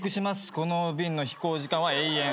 この便の飛行時間は永遠。